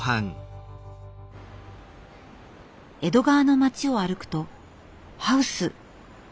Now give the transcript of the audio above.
江戸川の街を歩くとハウス。